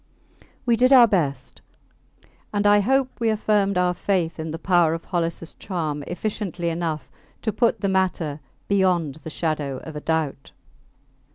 We did our best; and I hope we affirmed our faith in the power of Holliss charm efficiently enough to put the matter beyond the shadow of a doubt.